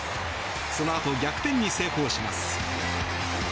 そのあと逆転に成功します。